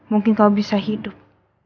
mungkin kamu bisa hidup